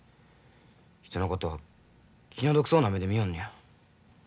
人のこと気の毒そうな目で見よんのや。